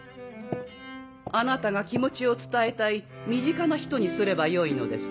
あなたが気持ちを伝えたい身近な人にすればよいのです。